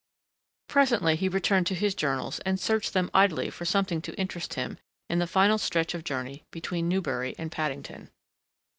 Presently he returned to his journals and searched them idly for something to interest him in the final stretch of journey between Newbury and Paddington.